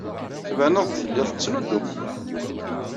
Tbaneḍ-d telliḍ tettnuddumeḍ.